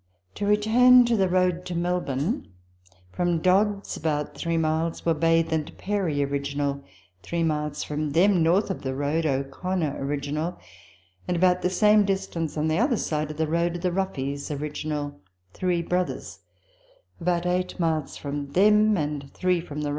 To return to the road to Melbourne, from Dodd's about three miles were Bathe and Perry (original); three miles from them, north of road, O'Connor (original) ; and about the same distance on the other side of the road the Ruffys (original), three brothers ; about eight miles from them and three from the Letters from Victorian Pioneers.